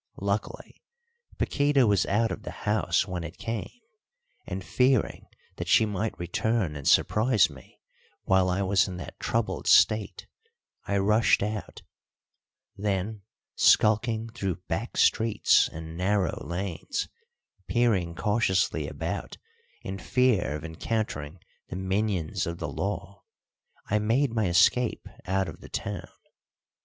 Luckily, Paquíta was out of the house when it came, and fearing that she might return and surprise me while I was in that troubled state, I rushed out; then, skulking through back streets and narrow lanes, peering cautiously about in fear of encountering the minions of the law, I made my escape out of the town.